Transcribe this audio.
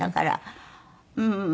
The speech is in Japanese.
うん。